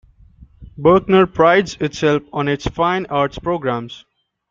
Berkner prides itself on its fine arts programs.